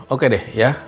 oke deh ya